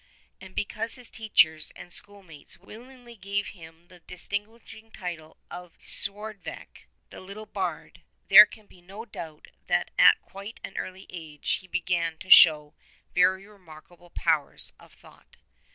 And because his teachers and school mates willingly gave him the distinguishing title of Ystwd vech, i. e., the Little Bard, there can be no doubt that at quite an early age he began to show very remarkable pow ers of thought.